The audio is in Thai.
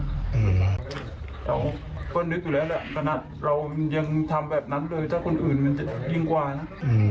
เราก็นึกอยู่แล้วแหละขนาดเรายังทำแบบนั้นเลยถ้าคนอื่นมันจะยิ่งกว่านะ